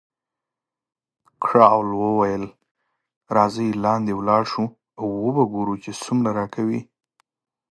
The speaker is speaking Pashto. کراول وویل، راځئ لاندې ولاړ شو او وو به ګورو چې څومره راکوي.